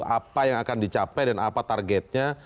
apa yang akan dicapai dan apa targetnya